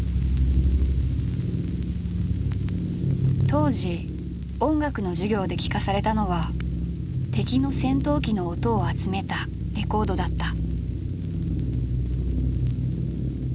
「」当時音楽の授業で聴かされたのは敵の戦闘機の音を集めたレコードだった。